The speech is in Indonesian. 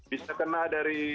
bisa kena dari